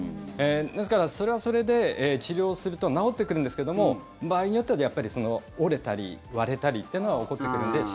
ですから、それはそれで治療をすると治ってくるんですが場合によっては折れたり割れたりというのは起こってくるので。